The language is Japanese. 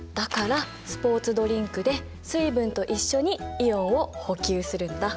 だからスポーツドリンクで水分と一緒にイオンを補給するんだ。